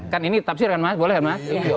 kan ini tafsir kan mas boleh ya mas